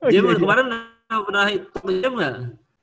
james kemarin pernah hitung james gak